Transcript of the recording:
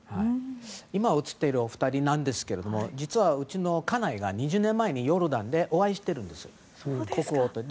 今、写っているお二人ですが実はうちの家内が２０年前にヨルダンでお会いしているんです国王とね。